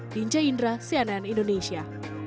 dinja indra cnn indonesia